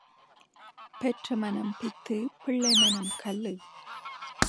பெற்ற மனம் பித்து, பிள்ளை மனம் கல்லு.